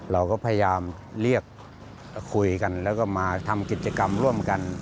เราก็พยายามเรียกคุยกันแล้วก็มาทำกิจกรรมร่วมกัน